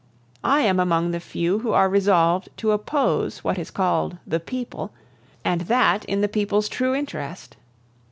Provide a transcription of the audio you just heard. I am among the few who are resolved to oppose what is called the people, and that in the people's true interest.